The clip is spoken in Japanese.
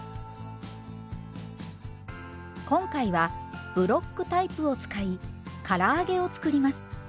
今回はブロックタイプを使いから揚げを作ります。